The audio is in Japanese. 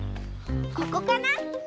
ここかな？